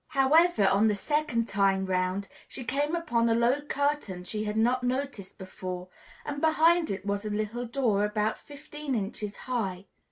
However, on the second time 'round, she came upon a low curtain she had not noticed before, and behind it was a little door about fifteen inches high.